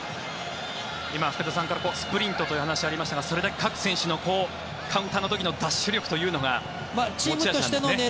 今、福田さんからスプリントという話がありましたがそれだけ各選手のカウンターの時のダッシュ力というのが持ち味なんですね。